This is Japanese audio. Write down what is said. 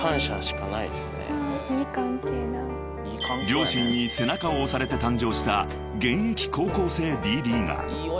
［両親に背中を押されて誕生した現役高校生Ｄリーガー］